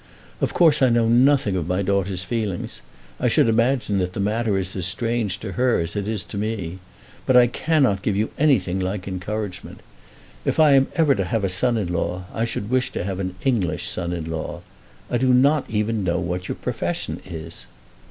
Of course I know nothing of my daughter's feelings. I should imagine that the matter is as strange to her as it is to me. But I cannot give you anything like encouragement. If I am ever to have a son in law I should wish to have an English son in law. I do not even know what your profession is."